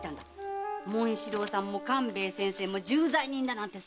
紋四郎さんも勘兵衛先生も重罪人だなんて。